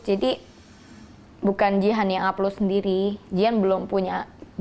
jadi bukan jihan yang upload sendiri jihan belum punya akun